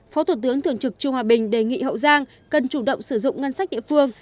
phó thủ tướng thường trực trương hòa bình đề nghị hậu giang cần chủ động sử dụng ngân sách địa phương